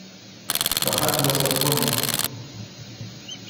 bajad los arpones.